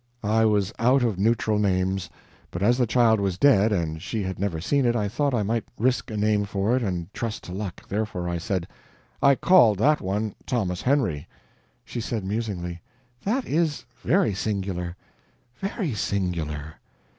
I was out of neutral names, but as the child was dead and she had never seen it, I thought I might risk a name for it and trust to luck. Therefore I said: "I called that one Thomas Henry." She said, musingly: "That is very singular ... very singular."